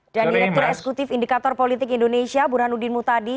dan direktur esekutif indikator politik indonesia burhan udin mutadi